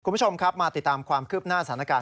คุณผู้ชมครับมาติดตามความคืบหน้าสถานการณ์